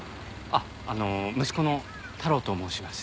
あっあの息子の太郎と申します。